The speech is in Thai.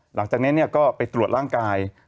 หลังจากนั้นก็ไปตรวจร่างกาย